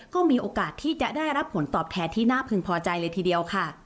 ก็มีโอกาสที่จะได้รับผลตอบแทนที่น่าพึงพอใจเลยทีเดียวค่ะ